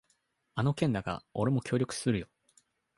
あの件だが、俺も協力するよ。